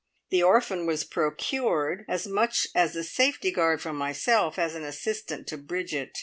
The orphan was procured as much as a safety guard for myself, as an assistant to Bridget.